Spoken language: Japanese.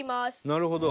なるほど。